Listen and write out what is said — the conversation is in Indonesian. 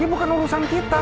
ya bukan urusan kita